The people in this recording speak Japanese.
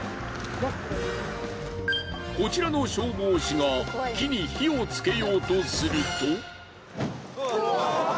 こちらの消防士が木に火をつけようとすると。